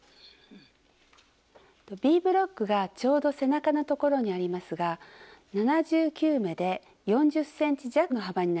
Ｂブロックがちょうど背中のところにありますが７９目で４０ｃｍ弱の幅になります。